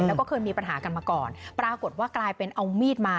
แล้วก็เคยมีปัญหากันมาก่อนปรากฏว่ากลายเป็นเอามีดมา